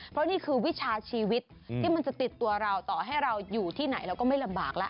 เพราะนี่คือวิชาชีวิตที่มันจะติดตัวเราต่อให้เราอยู่ที่ไหนเราก็ไม่ลำบากแล้ว